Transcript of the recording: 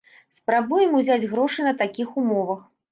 Спрабуем узяць грошы на такіх умовах.